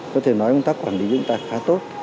có thể nói chúng ta quản lý chúng ta khá tốt